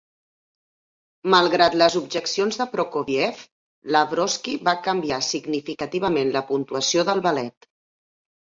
Malgrat les objeccions de Prokofiev, Lavrovsky va canviar significativament la puntuació del ballet.